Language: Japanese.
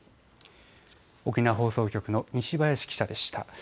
沖縄放送局の西林記者でした。